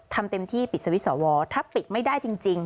ทำเต็มที่ปิดสวิตชอถ้าปิดไม่ได้จริง